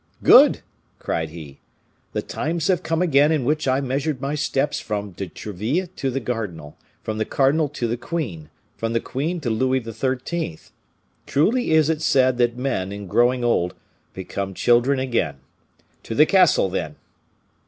"Good!" cried he, "the times have come again in which I measured my steps from De Treville to the cardinal, from the cardinal to the queen, from the queen to Louis XIII. Truly is it said that men, in growing old, become children again! To the castle, then!"